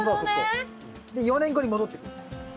で４年後に戻ってくる。